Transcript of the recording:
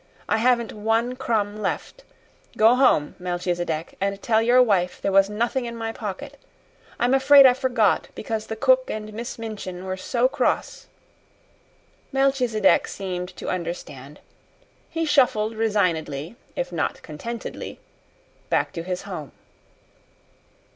"I haven't one crumb left. Go home, Melchisedec, and tell your wife there was nothing in my pocket. I'm afraid I forgot because the cook and Miss Minchin were so cross." Melchisedec seemed to understand. He shuffled resignedly, if not contentedly, back to his home.